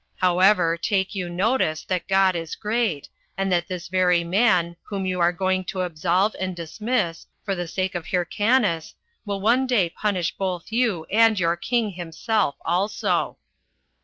However, take you notice, that God is great, and that this very man, whom you are going to absolve and dismiss, for the sake of Hyrcanus, will one day punish both you and your king himself also."